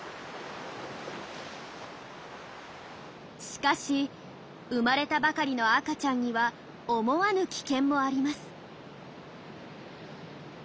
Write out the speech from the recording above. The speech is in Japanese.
しかし生まれたばかりの赤ちゃんには思わぬ危険もあります。